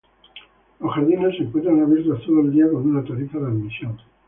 Los jardines se encuentran abiertos todo el día con una tarifa de admisión.